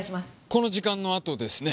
この時間のあとですね。